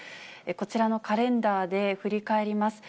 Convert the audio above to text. こちらのカレンダーで振り返ります。